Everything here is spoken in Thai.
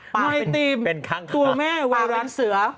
ปากเป็นตัวแม่ไวรัสเสือ